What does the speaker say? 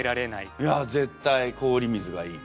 いや絶対「氷水」がいい。